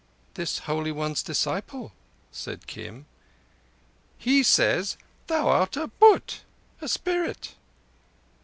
"This Holy One's disciple," said Kim. "He says thou are a būt (a spirit)."